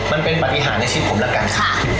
มันเป็นปฏิหารในชีวิตผมแล้วกัน